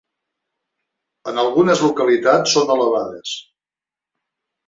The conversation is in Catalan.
En algunes localitats són elevades.